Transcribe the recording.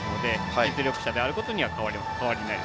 実力者であることには変わりありません。